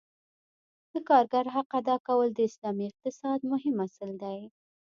د کارګر حق ادا کول د اسلامي اقتصاد مهم اصل دی.